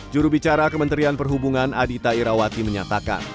jurubicara kementerian perhubungan adita irawati menyatakan